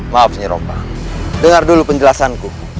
maaf nyropa dengar dulu penjelasanku